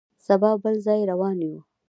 سبا بل ځای روان یو.